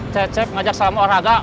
cecep ngajak salam olahraga